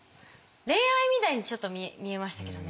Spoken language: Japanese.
恋愛みたいにちょっと見えましたけどね。